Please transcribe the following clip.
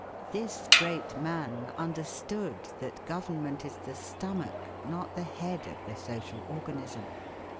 This great man understood that government is the stomach, not the head of the social organism.